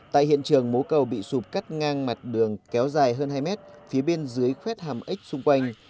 tại hiện trường mố cầu bị sụp cắt ngang mặt đường kéo dài hơn hai mét phía bên dưới khuét hàm ếch xung quanh